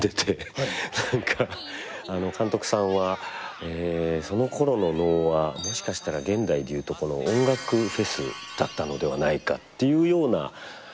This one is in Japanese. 何か監督さんはそのころの能はもしかしたら現代でいうとこの音楽フェスだったのではないかっていうような観点で。